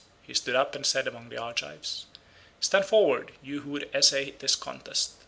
He stood up and said among the Argives, "Stand forward, you who would essay this contest.